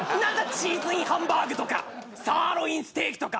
チーズインハンバーグとかサーロインステーキとか。